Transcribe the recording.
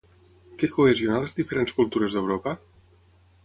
Què cohesiona les diferents cultures d'Europa?